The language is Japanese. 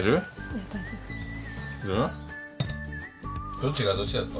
どっちがどっちだった？